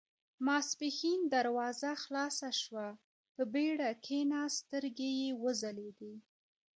ماسپښين دروازه خلاصه شوه، په بېړه کېناست، سترګې يې وځلېدې.